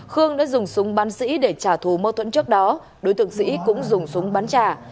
khương đã dùng súng bắn sĩ để trả thù mâu thuẫn trước đó đối tượng sĩ cũng dùng súng bắn trả